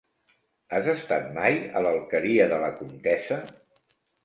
Has estat mai a l'Alqueria de la Comtessa?